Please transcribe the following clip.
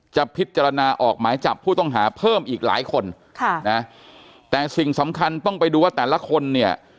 จะพิจารณาออกหมายจับผู้ต้องหาเพิ่มอีกหลายคนค่ะนะแต่สิ่งสำคัญต้องไปดูว่าแต่ละคนเนี่ย